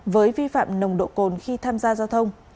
với vi phạm nồng độ cồn khi tham gia giao thông